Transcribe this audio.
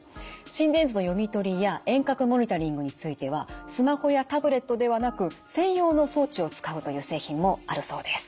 心電図の読み取りや遠隔モニタリングについてはスマホやタブレットではなく専用の装置を使うという製品もあるそうです。